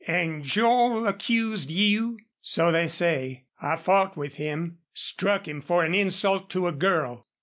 "An' Joel accused you?" "So they say. I fought with him struck him for an insult to a girl."